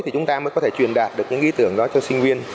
thì chúng ta mới có thể truyền đạt được những ý tưởng đó cho sinh viên